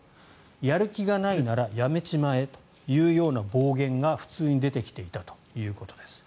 やる気がないなら辞めちまえというような暴言が普通に出てきていたということです。